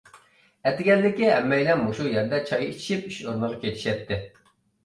ئەتىگەنلىكى ھەممەيلەن مۇشۇ يەردە چاي ئىچىشىپ ئىش ئورنىغا كېتىشەتتى.